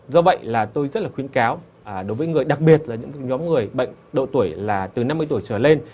do vậy là tôi rất là khuyến cáo đối với người đặc biệt là những nhóm người bệnh độ tuổi là từ năm mươi tuổi trở lên